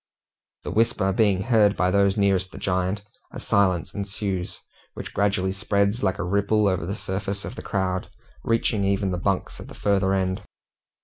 The whisper being heard by those nearest the giant, a silence ensues, which gradually spreads like a ripple over the surface of the crowd, reaching even the bunks at the further end.